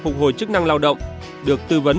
phục hồi chức năng lao động được tư vấn